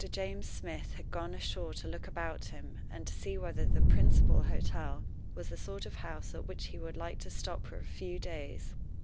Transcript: James Smith had gone ashore to look about him, and to see whether the principal hotel was the sort of house at which he would like to stop for a few days.